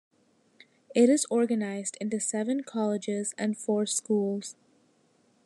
It is organized into seven colleges and four schools.